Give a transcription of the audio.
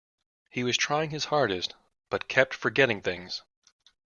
He was trying his hardest, but kept forgetting things.